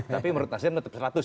tapi menurut nasdem tetap seratus